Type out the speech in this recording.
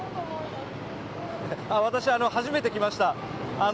私は初めて来ました。